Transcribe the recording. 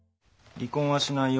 離婚はしないよ。